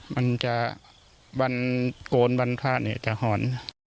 มันจะวันโกนวันพระเนี่ยจะหอน